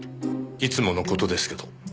いつもの事ですけど。